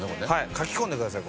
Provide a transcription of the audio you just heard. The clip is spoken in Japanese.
かきこんでください